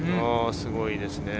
すごいですね。